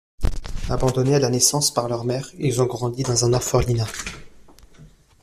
Abandonnés à la naissance par leur mère, ils ont grandi dans un orphelinat.